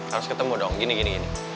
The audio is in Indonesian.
harus ketemu dong gini gini